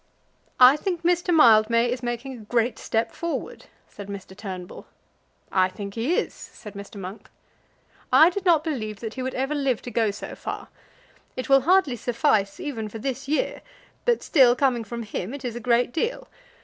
"I think Mr. Mildmay is making a great step forward," said Mr. Turnbull. "I think he is," said Mr. Monk. "I did not believe that he would ever live to go so far. It will hardly suffice even for this year; but still coming from him, it is a great deal.